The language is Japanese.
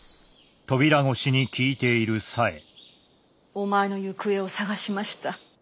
・お前の行方を捜しました。